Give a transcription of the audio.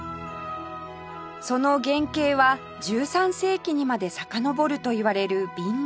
その原形は１３世紀にまでさかのぼるといわれる紅型